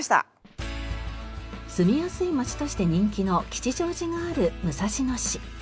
住みやすい街として人気の吉祥寺がある武蔵野市。